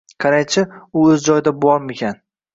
Qaraychi, u o'z joyida bormikan?